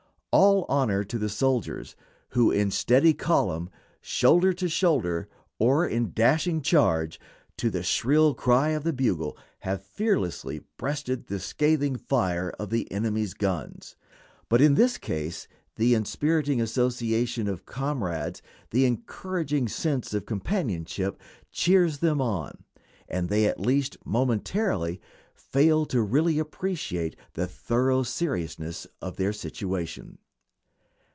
All honor to the soldiers who in steady column, shoulder to shoulder, or in dashing charge to the shrill cry of the bugle, have fearlessly breasted the scathing fire of the enemy's guns. But in this case the inspiriting association of comrades, the encouraging sense of companionship, cheers them on, and they at least momentarily fail to really appreciate the thorough seriousness of their situation.